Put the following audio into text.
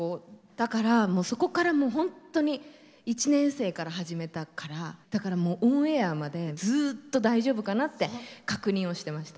だからそこからもう本当に１年生から始めたからだからもうオンエアまでずっと大丈夫かなって確認をしてました。